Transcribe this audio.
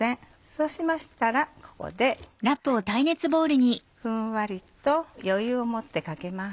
そうしましたらここでふんわりと余裕をもってかけます。